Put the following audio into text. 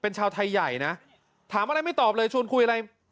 เป็นชาวไทยใหญ่นะถามอะไรไม่ตอบเลยชวนคุยอะไร